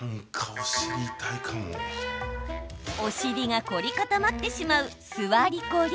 お尻が凝り固まってしまう座りコリ。